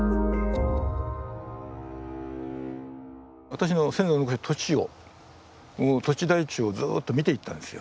私の先祖の土地を土地台帳をずっと見ていったんですよ。